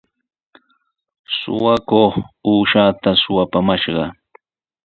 Suqakuq uushaata suqapumashqa.